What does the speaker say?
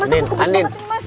mas aku kebelet banget nih mas